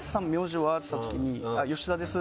「吉田です」